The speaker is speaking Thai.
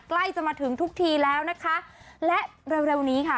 ใกล้จะมาถึงทุกทีแล้วนะคะและเร็วเร็วนี้ค่ะ